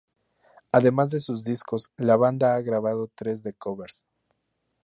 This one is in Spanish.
Además de sus discos, la banda ha grabado tres de covers.